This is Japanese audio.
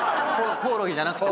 コオロギじゃなくて。